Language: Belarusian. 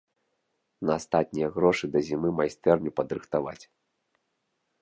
На астатнія грошы да зімы майстэрню падрыхтаваць.